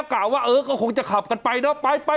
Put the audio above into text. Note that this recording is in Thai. ถ้ากลับว่าเออก็คงจะขับกันไปเนอะ